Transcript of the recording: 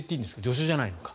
助手じゃないか。